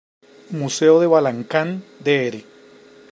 Museo de Balancán Dr.